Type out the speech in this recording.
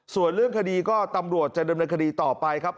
ส่วนเรื่องคดีก็ตำรวจจะดำเนินคดีต่อไปครับ